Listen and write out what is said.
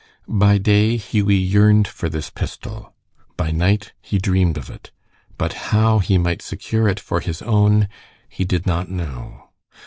By day Hughie yearned for this pistol, by night he dreamed of it, but how he might secure it for his own he did not know.